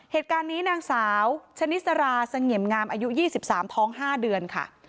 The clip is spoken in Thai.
เหตุการณ์นี้นางสาวชนิสราเสงี่ยมงามอายุ๒๓ท้อง๕เดือนค่ะ